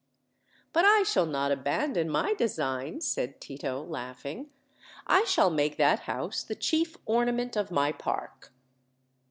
"But I shall not abandon my design," said Tito, laugh ing. "I shall make that house the chief ornament of my park."